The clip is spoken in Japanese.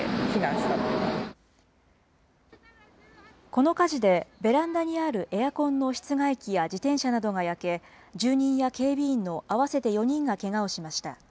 この火事で、ベランダにあるエアコンの室外機や自転車などが焼け、住人や警備員の合わせて４人がけがをしました。